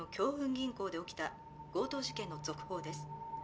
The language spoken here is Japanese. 銀行で起きた強盗事件の続報です。